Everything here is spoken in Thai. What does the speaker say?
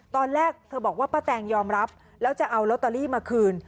ตอนแรกเธอบอกว่าป้าแตงยอมรับแล้วจะเอาลอตเตอรี่มาคืน